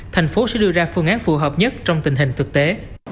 tp hcm sẽ đưa ra phương án phù hợp nhất trong tình hình thực tế